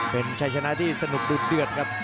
เป็นชัยชนะที่สนุกดูดเดือดครับ